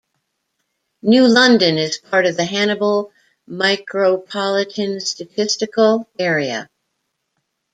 New London is part of the Hannibal Micropolitan Statistical Area.